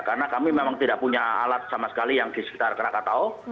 karena kami memang tidak punya alat sama sekali yang di sekitar krakatau